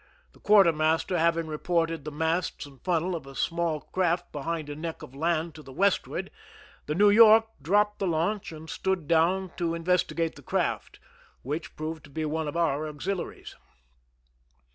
The quartermaster having reported the masts and funnel of a small craft behind a neck of land to the westward, the New York dropped the launch and stood down to investigate the craft, which proved to be one of our au:xiliaries.